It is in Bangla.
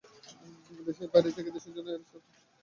দেশের বাইরে থেকেও দেশের জন্য এরাই সবচেয়ে অগ্রণী ভূমিকা পালন করেন।